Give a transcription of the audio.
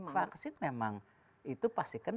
vaksin memang itu pasti kena